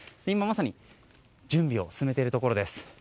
今まさに準備を進めているところです。